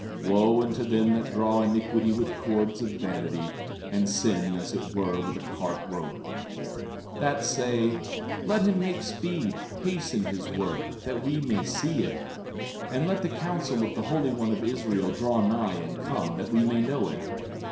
15:18 Wo unto them that draw iniquity with cords of vanity, and sin as it were with a cart rope; 15:19 That say: Let him make speed, hasten his work, that we may see it; and let the counsel of the Holy One of Israel draw nigh and come, that we may know it.